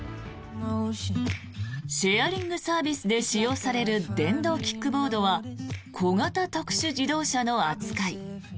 シェアリングサービスで使用される電動キックボードは小型特殊自動車の扱い。